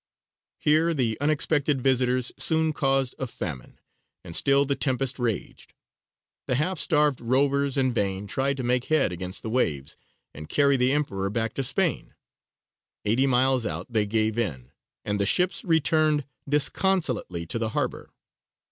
Here the unexpected visitors soon caused a famine and still the tempest raged. The half starved rovers in vain tried to make head against the waves, and carry the Emperor back to Spain: eighty miles out they gave in, and the ships returned disconsolately to the harbour.